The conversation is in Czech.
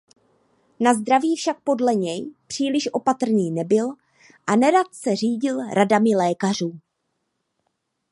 Na zdraví však podle něj příliš opatrný nebyl a nerad se řídil radami lékařů.